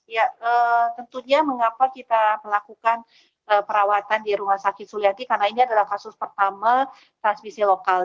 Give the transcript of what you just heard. ya tentunya mengapa kita melakukan perawatan di rumah sakit suliati karena ini adalah kasus pertama transmisi lokal